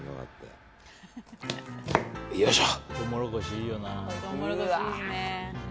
よいしょ。